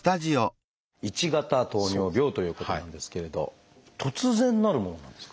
１型糖尿病ということなんですけれど突然なるものなんですか？